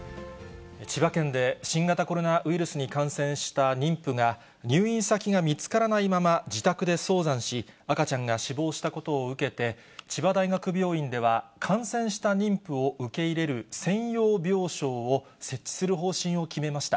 千葉県で新型コロナウイルスに感染した妊婦が、入院先が見つからないまま自宅で早産し、赤ちゃんが死亡したことを受けて、千葉大学病院では、感染した妊婦を受け入れる専用病床を設置する方針を決めました。